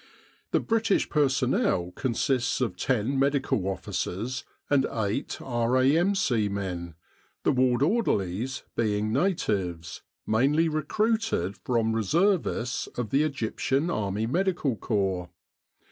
The British personnel consists of ten Medical Officers, and eight R.A.M.C. men, the ward orderlies being natives, mainly recruited from reservists of the Egyptian Army Medical Corps.